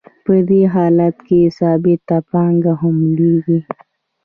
په دې حالت کې ثابته پانګه هم لوړېږي